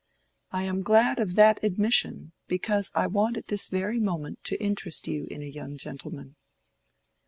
"I am glad of that admission, because I want at this very moment to interest you in a young gentleman."